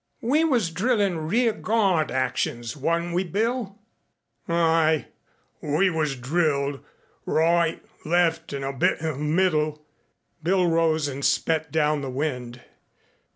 "We was drillin' rear guard actions, wasn't we, Bill?" "Aye. We was drilled, right, left, an' a bit in the middle." Bill rose and spat down the wind.